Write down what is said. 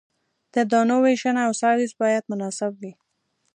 د دانو ویشنه او سایز باید مناسب وي